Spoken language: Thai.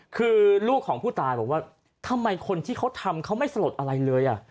คือลูกของผู้ตายบอกว่าทำไมคนที่เขาทำเขาไม่สลดอะไรเลย